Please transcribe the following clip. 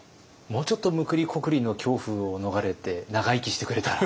もうちょっとむくりこくりの恐怖を逃れて長生きしてくれたら。